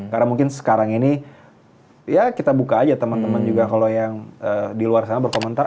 karena mungkin sekarang ini ya kita buka aja temen temen juga kalo yang di luar sana berkomentar